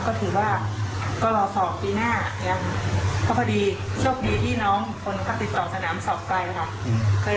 ก็ถือว่าก็รอสอบปีหน้าเนี่ยเพราะพอดีโชคดีที่น้องคนค่ะ